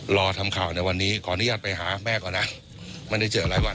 รอทำข่าวในวันนี้ขออนุญาตไปหาแม่ก่อนนะไม่ได้เจออะไรวะ